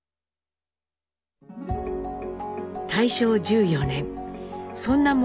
大正１４年そんな森